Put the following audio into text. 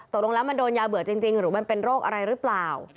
ตกลงแล้วมันโดนยาเบื่อจริงหรือมันเป็นโรคอะไรหรือเปล่า